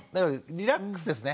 リラックスですね。